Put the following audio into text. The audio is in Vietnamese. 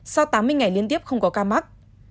sau tám mươi ngày liên tiếp không có ca mắc